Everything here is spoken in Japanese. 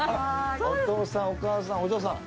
お父さんお母さんお嬢さん。